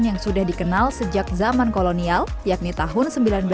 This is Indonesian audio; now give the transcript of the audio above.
yang sudah dikenal sejak zaman kolonial yakni tahun seribu sembilan ratus sembilan puluh